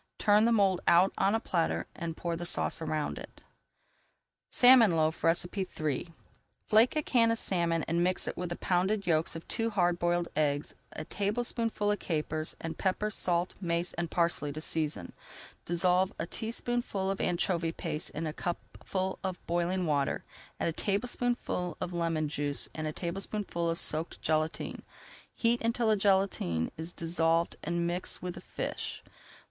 Turn the mould out on a platter and pour the sauce around it. [Page 298] SALMON LOAF III Flake a can of salmon and mix it with the pounded yolks of two hard boiled eggs, a tablespoonful of capers, and pepper, salt, mace, and parsley to season. Dissolve a teaspoonful of anchovy paste in a cupful of boiling water, add a tablespoonful of lemon juice and a tablespoonful of soaked gelatine. Heat until the gelatine is dissolved and mix with the fish.